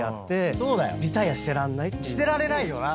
してられないよな。